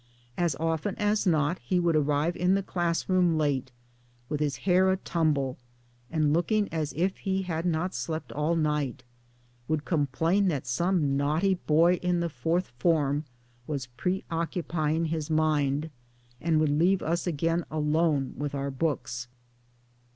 As often as not he would arrive in the class room late, with his hair a tumble, and looking as if he had not slept all night, would complain that some naughty boy in the Fourth Form was preoccupying his mind, and would leave us again alone with our books.